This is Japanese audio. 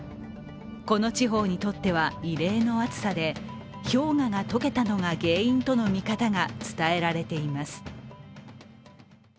この地方にとっては異例の暑さで氷河が解けたのが原因との見方が伝えられています。